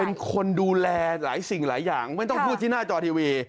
เป็นคนดูแลหลายสิ่งหลายอย่างไม่ต้องพูดที่หน้าจอทีวี